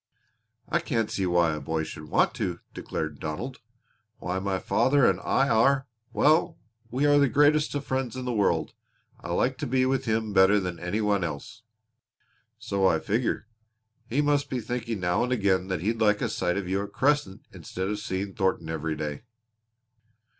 "I can't see why a boy should want to," declared Donald. "Why, my father and I are well, we are the greatest friends in the world! I like to be with him better than any one else." "So I figure. He must be thinking now and again that he'd like a sight of you at Crescent instead of seeing Thornton every day."